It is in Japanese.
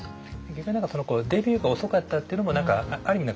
逆に何かデビューが遅かったっていうのもある意味